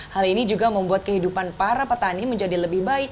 hal ini juga membuat kehidupan para petani menjadi lebih baik